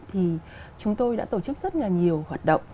thì chúng tôi đã tổ chức rất là nhiều hoạt động